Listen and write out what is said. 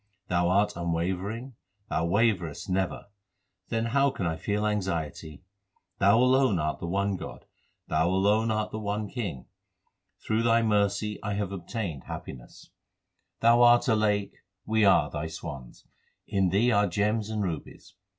Thou art unwavering, Thou waverest never ; then how can I feel anxiety ? Thou alone art the one God ; Thou alone art the one King. Through Thy mercy I have obtained happiness. HYMNS OF GURU ARJAN 401 Thou art a lake ; we are Thy swans ; in Thee are gems and rubies.